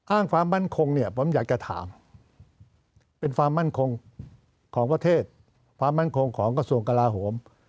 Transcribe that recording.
อ้างความมั่นคงเนี่ยผมอยากจะถามเป็นความมั่นคงของประเทศความมั่นคงของกระทรวงกลาโหม